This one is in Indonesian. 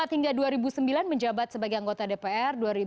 dua ribu empat hingga dua ribu sembilan menjabat sebagai anggota dpr